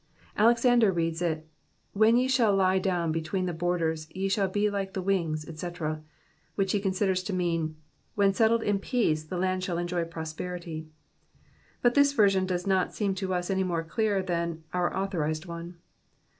Alexander reads it, ^^ When ye shall lie down between the borders, ye shall be like the wings," &c., which he considers to mean, when settled in peace, the land shall enjoy prosperity ;'' but this version does not seem to us any more clear than our authorized one.